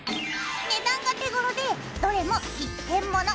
値段が手ごろでどれも一点物。